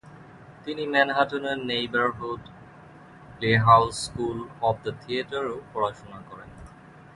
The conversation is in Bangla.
তিনি ম্যানহাটনের Neighborhood Playhouse School of the থিয়েটারেও পড়াশোনা করেন।